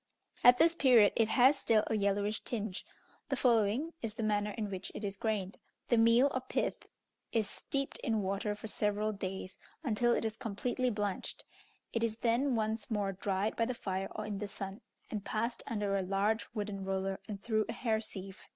At this period it has still a yellowish tinge. The following is the manner in which it is grained: The meal or pith is steeped in water for several days, until it is completely blanched; it is then once more dried by the fire or in the sun, and passed under a large wooden roller, and through a hair sieve.